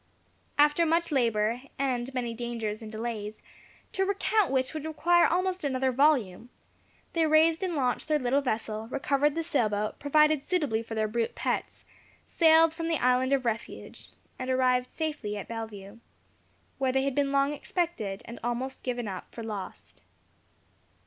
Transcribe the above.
After much labour, and many dangers and delays (to recount which would require almost another volume), they raised and launched their little vessel, recovered the sail boat, provided suitably for their brute pets, sailed from the Island of Refuge and arrived safely at Bellevue, where they had been long expected, and almost given up for lost.